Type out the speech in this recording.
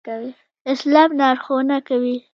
اسلام لارښوونه کوي